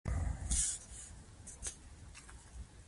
په جماعت کي پنجابی دی ، په سنګسار کي عربی دی